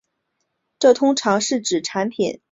这通常是指产品的翻译以及当地特色的加入。